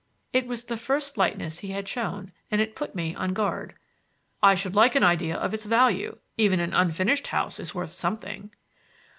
It was the first lightness he had shown, and it put me on guard. "I should like an idea of its value. Even an unfinished house is worth something."